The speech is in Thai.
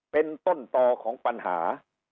เป็นต้นต่อของปัญหา